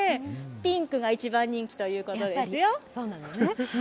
ピンクが一番人気ということですよ。